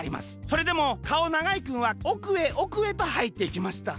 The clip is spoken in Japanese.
それでもかおながいくんはおくへおくへとはいっていきました。